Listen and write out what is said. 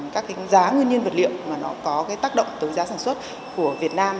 các giá nguyên nhân vật liệu có tác động tới giá sản xuất của việt nam